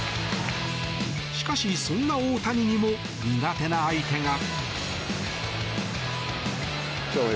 しかし、そんな大谷にも苦手な相手が。